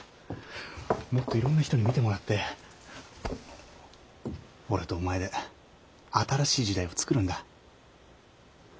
もっといろんな人に見てもらって俺とお前で新しい時代をつくるんだ。